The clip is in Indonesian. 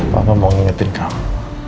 bapak mau ingetin kamu